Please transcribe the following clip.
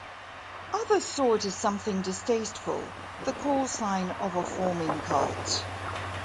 Others saw it as something distasteful - the call sign of a forming cult.